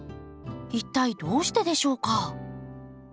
一体どうしてでしょうか？